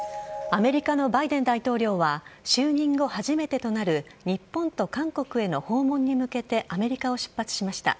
アメリカのバイデン大統領は就任後初めてとなる日本と韓国への訪問に向けてアメリカを出発しました。